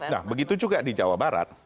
nah begitu juga di jawa barat